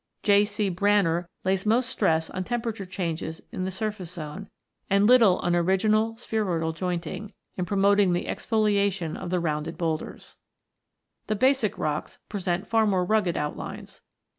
J. C. Branner(9o) lays most stress on temperature changes in the surface zone, and little on original spheroidal jointing, in promoting the exfoliation of the rounded boulders. v] IGNEOUS ROCKS 141 The basic rocks present far more rugged outlines.